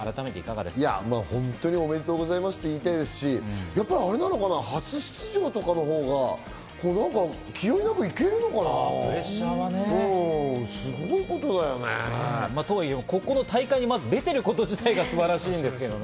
本当におめでとうございますと言いたいですし、初出場とかのほうが気負いなくいけるのかな？とはいえ、ここの大会に出てること自体が素晴らしいですけどね。